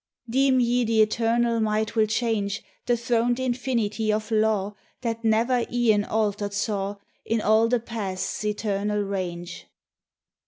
Deem ye the Eternal Mind will change The throned infinity of law That never aeon altered saw In all the Past's eternal range?